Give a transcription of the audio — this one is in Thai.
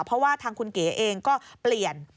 เพราะว่าทางคุณเก๋เองก็เปลี่ยน